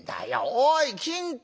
おい金太！